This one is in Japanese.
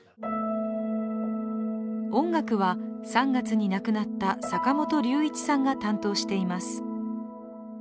音楽は、３月に亡くなった坂本龍一さんが担当しています。